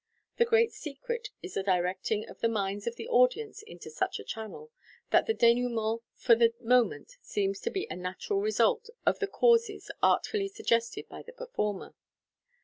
The great secret is the directing of the minds of the audience into such a channel, that the denouement for the moment seems to be a natural result of the causes artfully suggested by the performer.